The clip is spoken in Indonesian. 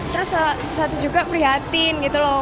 terus satu juga prihatin gitu loh